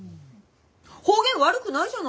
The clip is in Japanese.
方言悪くないじゃない。